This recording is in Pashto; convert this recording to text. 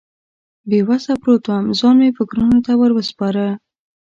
بې وسه پروت وم، ځان مې فکرونو ته ور وسپاره.